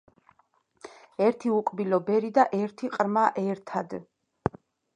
ერთი უკბილო ბერი და ერთი ყრმა ერთად .